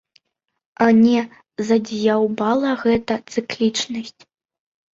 А не задзяўбала гэтая цыклічнасць?